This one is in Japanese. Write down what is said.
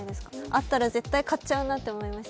あったら絶対買っちゃうなと思いました。